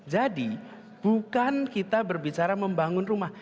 jadi bukan kita berbicara membangun rumah